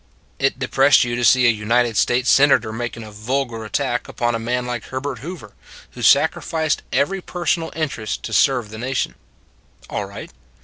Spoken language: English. It depressed you to see a United States Senator making a vulgar attack upon a man like Herbert Hoover, who sacrificed every personal interest to serve the nation. All right.